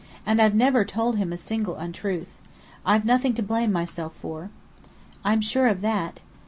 And I've never told him a single untruth. I've nothing to blame myself for." "I'm sure of that."